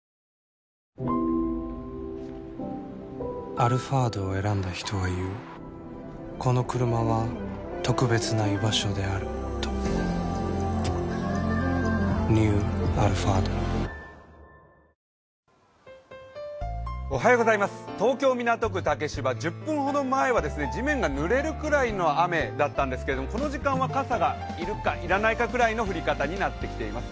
「アルファード」を選んだ人は言うこのクルマは特別な居場所であるとニュー「アルファード」東京・港区竹芝、１０分ほど前は地面がぬれるくらいの雨だったんですけれどこの時間は傘が要るか、要らないかくらいの雨になっています。